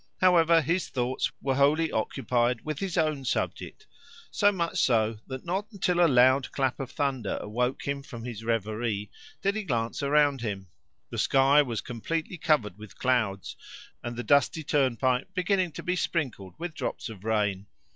However, his thoughts were wholly occupied with his own subject, so much so that not until a loud clap of thunder awoke him from his reverie did he glance around him. The sky was completely covered with clouds, and the dusty turnpike beginning to be sprinkled with drops of rain.